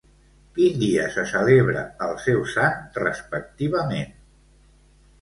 Quin dia se celebra el seu sant, respectivament?